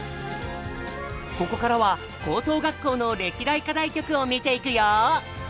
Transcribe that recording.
ここからは高等学校の歴代課題曲を見ていくよ！